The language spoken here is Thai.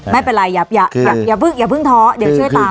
ไม่เป็นไรอย่าเพิ่งท้อเดี๋ยวช่วยตา